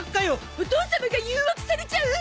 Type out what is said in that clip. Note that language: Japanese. お父様が誘惑されちゃう！